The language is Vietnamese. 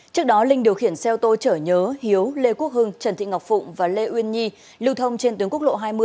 trước đó linh điều khiển xe ô tô chở nhớ hiếu lê quốc hưng trần thị ngọc phụng và lê uyên nhi lưu thông trên tuyến quốc lộ hai mươi